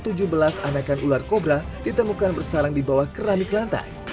tujuh belas anakan ular kobra ditemukan bersarang di bawah keramik lantai